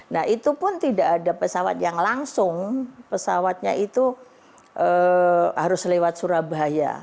nah itu pun tidak ada pesawat yang langsung pesawatnya itu harus lewat surabaya